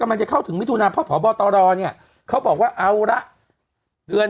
กำลังจะเข้าถึงมิถุนาเพราะพบตรเนี่ยเขาบอกว่าเอาละเดือน